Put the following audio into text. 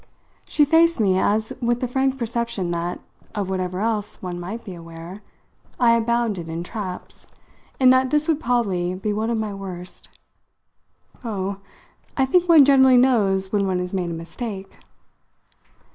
She faced me as with the frank perception that, of whatever else one might be aware, I abounded in traps, and that this would probably be one of my worst. "Oh, I think one generally knows when one has made a mistake."